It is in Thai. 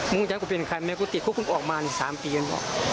มึงอยากจะเป็นใครแม้กูติดคุกมึงออกมา๓ปีมันบอก